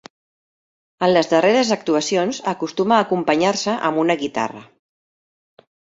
En les darreres actuacions acostuma a acompanyar-se amb una guitarra.